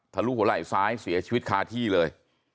ถ้ารวดไหล้ซ้ายเศร้าชีวิตคาที่เลย